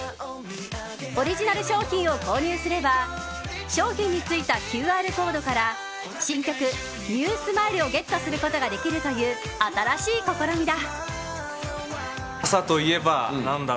オリジナル商品を購入すれば商品についたＱＲコードから新曲「ＮＥＷＳｍｉｌｅ」をゲットすることができるという新しい試みだ。